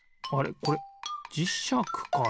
これじしゃくかな？